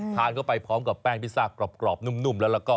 ทานเข้าไปพร้อมกับแป้งพิซซ่ากรอบนุ่มแล้วก็